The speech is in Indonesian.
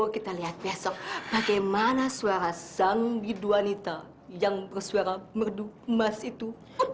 kita lihat besok bagaimana suara sang bidwanita yang bersuara merdu emas itu